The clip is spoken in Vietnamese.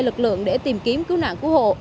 lực lượng để tìm kiếm cứu nạn cứu hộ